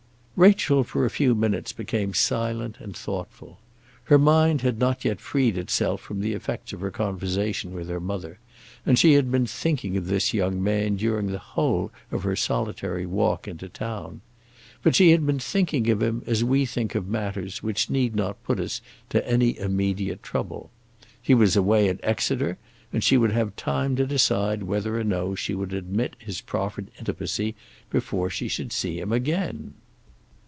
Rachel for a few minutes became silent and thoughtful. Her mind had not yet freed itself from the effects of her conversation with her mother, and she had been thinking of this young man during the whole of her solitary walk into town. But she had been thinking of him as we think of matters which need not put us to any immediate trouble. He was away at Exeter, and she would have time to decide whether or no she would admit his proffered intimacy before she should see him again.